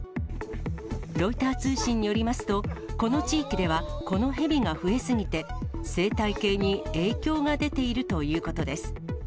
ロイター通信によりますと、この地域ではこのヘビが増え過ぎて、生態系に影響が出ているということです。